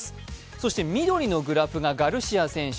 そして緑のグラフがガルシア選手。